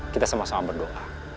kita sama sama berdoa